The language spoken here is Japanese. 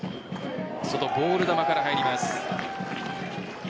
外、ボール球から入ります。